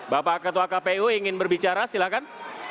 bapak ketua kpu ingin berbicara silahkan